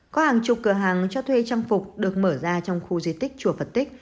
có hàng chục cửa hàng cho thuê trang phục được mở ra trong khu di tích chùa phật tích